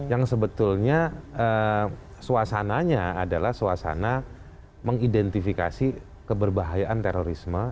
yang sebetulnya suasananya adalah suasana mengidentifikasi keberbahayaan terorisme